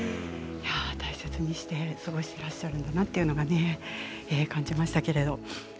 大切にして過ごしてらっしゃるんだなというのはね感じましたけれども。